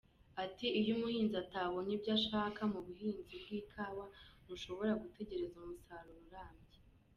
Ati “Iyo umuhinzi atabonye ibyo ashaka mu buhinzi bw’ikawa, ntushobora gutegereza umusaruro urambye.